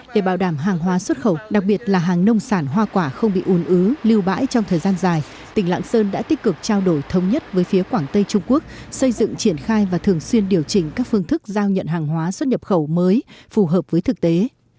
để bảo đảm hàng hóa xuất khẩu đặc biệt là hàng nông sản hoa quả không bị ùn ứ lưu bãi trong thời gian dài tỉnh lạng sơn đã tích cực trao đổi thống nhất với phía quảng tây trung quốc xây dựng triển khai và thường xuyên điều chỉnh các phương thức giao nhận hàng hóa xuất nhập khẩu mới phù hợp với thực tế